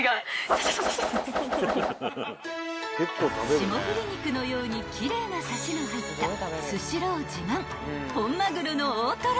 ［霜降り肉のように奇麗なサシの入ったスシロー自慢本まぐろの大とろ］